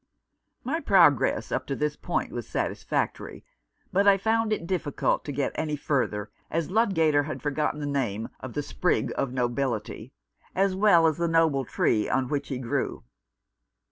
My progress up to this point was satisfactory, but I found it difficult to get any further, as Ludgater had forgotten the name of the " sprig of nobility," as well as the noble tree on which 2 JO Mr. Faunce's Report continued. he grew.